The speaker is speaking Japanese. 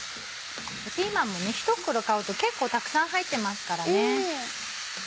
ピーマンも一袋買うと結構たくさん入ってますからね。